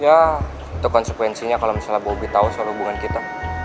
ya itu konsekuensinya kalau misalnya bobi tahu soal hubungan kita